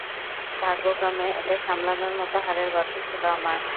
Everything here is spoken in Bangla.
ভাগ্যক্রমে, এটা সামলানোর মতো হাড়ের গঠন ছিল আমার।